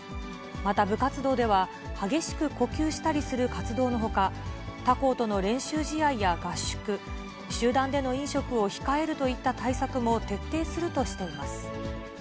また、部活動では激しく呼吸したりする活動のほか、他校との練習試合や合宿、集団での飲食を控えるといった対策も徹底するとしています。